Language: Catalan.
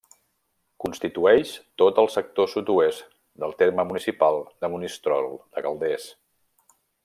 Constitueix tot el sector sud-oest del terme municipal de Monistrol de Calders.